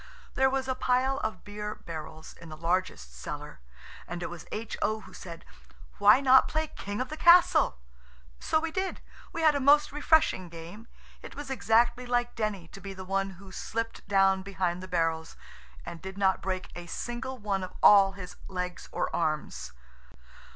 There was a pile of beer barrels in the largest cellar and it was H.O. who said, "Why not play 'King of the Castle?'" So we did. We had a most refreshing game. It was exactly like Denny to be the one who slipped down behind the barrels, and did not break a single one of all his legs or arms.